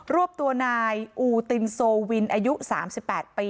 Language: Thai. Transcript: รวบตัวนายอูตินโซวินอายุ๓๘ปี